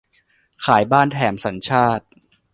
ขายบ้านแถมสัญชาติ